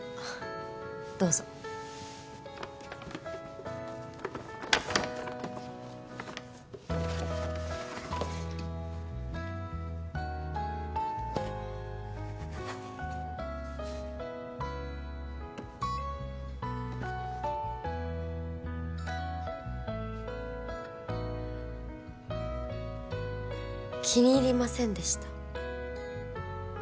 どうぞ気に入りませんでした？